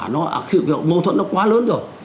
mâu thuẫn nó quá lớn rồi